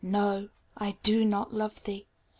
ŌĆö no ! I do not love thee